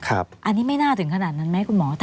อันนี้ไม่น่าถึงขนาดนั้นไหมคุณหมอ